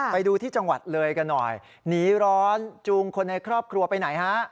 ไปดูที่จังหวัดเลยกันหน่อยหนีร้อนจูงคนในครอบครัวไปไหนฮะ